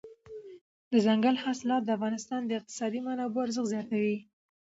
دځنګل حاصلات د افغانستان د اقتصادي منابعو ارزښت زیاتوي.